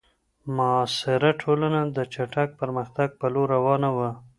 معاصره ټولنه د چټک پرمختګ په لور روانه وه.